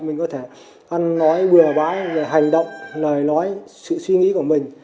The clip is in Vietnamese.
mình có thể ăn nói bừa bãi về hành động lời nói sự suy nghĩ của mình